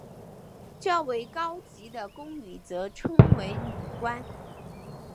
较为高级的宫女则称为女官。